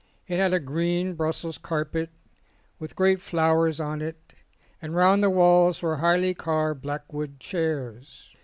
It had a green Brussels carpet, with great flowers on it, and round the walls were highly carved black wood chairs.